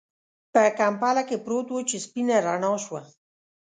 په کمپله کې پروت و چې سپينه رڼا شوه.